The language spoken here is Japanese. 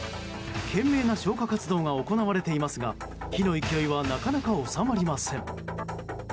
懸命な消火活動が行われていますが火の勢いはなかなか収まりません。